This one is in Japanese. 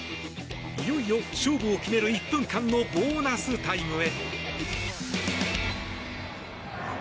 いよいよ勝負を決める１分間のボーナスタイムへ。